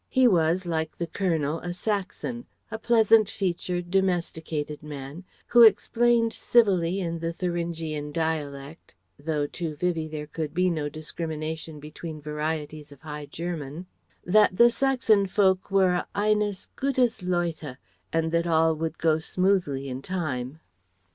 He was, like his Colonel, a Saxon, a pleasant featured, domesticated man, who explained civilly in the Thuringian dialect though to Vivie there could be no discrimination between varieties of High German that the Sachsen folk were "Eines gütes leute" and that all would go smoothly in time.